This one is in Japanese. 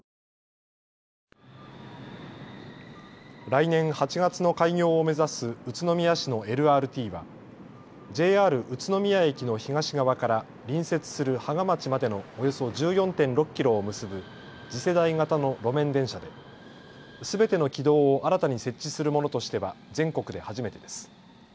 来年８月の開業を目指す宇都宮市のＬＲＴはＪＲ宇都宮駅の東側から隣接する芳賀町までのおよそ１４．６キロを結ぶ次世代型の路面電車で、すべての軌道を新たに設置するものとしては全国で初めてです。